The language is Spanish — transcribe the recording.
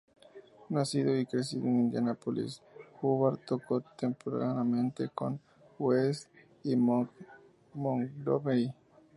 Nacido y crecido en Indianápolis, Hubbard tocó tempranamente con Wes y Monk Montgomery.